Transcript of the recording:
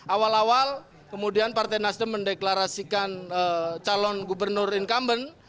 awal awal kemudian partai nasdem mendeklarasikan calon gubernur incumbent